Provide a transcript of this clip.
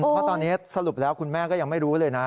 เพราะตอนนี้สรุปแล้วคุณแม่ก็ยังไม่รู้เลยนะ